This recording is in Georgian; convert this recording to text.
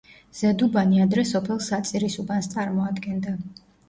ზედუბანი ადრე სოფელ საწირის უბანს წარმოადგენდა.